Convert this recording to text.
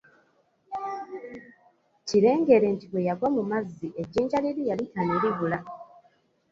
Kirengere nti bwe yagwa mu mazzi ejjinja liri yalita ne libula.